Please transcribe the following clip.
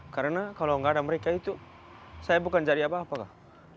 karena kalau gak ada mereka itu saya bukan jadi apa apa kak